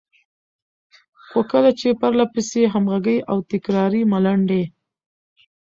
خو کله چې پرلهپسې، همغږې او تکراري ملنډې،